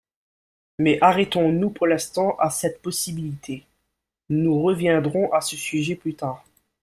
Mais arrêtons-nous pour l’instant à cette possibilité, nous reviendrons à ce sujet plus tard.